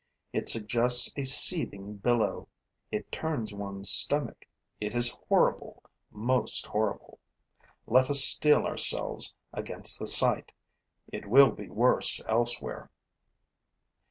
It suggests a seething billow. It turns one's stomach. It is horrible, most horrible. Let us steel ourselves against the sight: it will be worse elsewhere.